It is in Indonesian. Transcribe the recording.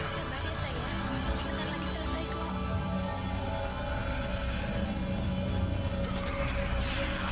sebentar lagi selesai kok